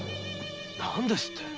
何ですって？！